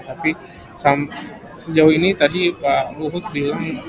tapi sejauh ini tadi pak luhut bilang